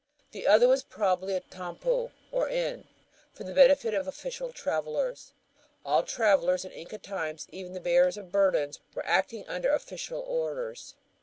The other was probably a tampu, or inn, for the benefit of official travelers. All travelers in Inca times, even the bearers of burdens, were acting under official orders.